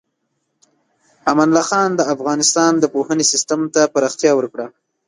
امان الله خان د افغانستان د پوهنې سیستم ته پراختیا ورکړه.